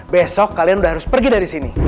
besok kalian sudah harus pergi dari sini